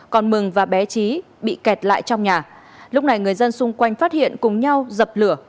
còn mừng và bé trí bị kẹt lại trong nhà lúc này người dân xung quanh phát hiện cùng nhau dập lửa